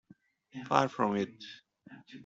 Far from it.